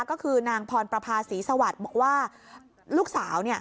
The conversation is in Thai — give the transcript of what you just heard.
ก็คือนางพรประภาษีสวัสดิ์บอกว่าลูกสาว